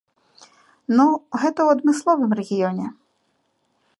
Ну, гэта ў адмысловым рэгіёне.